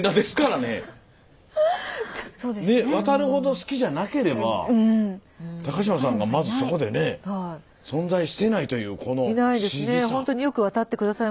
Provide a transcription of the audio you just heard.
渡るほど好きじゃなければ高島さんがまずそこでね存在していないというこの不思議さ。